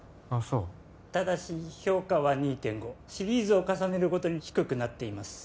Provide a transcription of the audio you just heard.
そうただし評価は２．５シリーズを重ねるごとに低くなっています